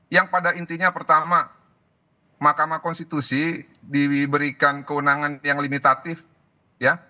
yang pada intinya pertama mahkamah konstitusi diberikan kewenangan yang limitatif ya